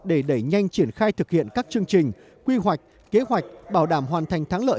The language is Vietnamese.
để đẩy nhanh triển khai thực hiện các chương trình quy hoạch kế hoạch bảo đảm hoàn thành thắng lợi